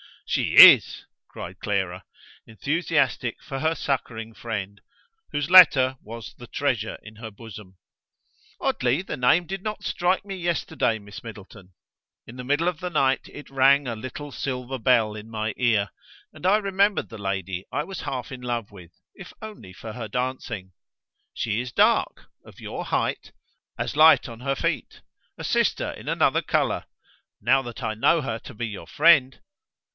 "She is!" cried Clara, enthusiastic for her succouring friend, whose letter was the treasure in her bosom. "Oddly, the name did not strike me yesterday, Miss Middleton. In the middle of the night it rang a little silver bell in my ear, and I remembered the lady I was half in love with, if only for her dancing. She is dark, of your height, as light on her feet; a sister in another colour. Now that I know her to be your friend